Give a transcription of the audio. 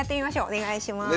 お願いします。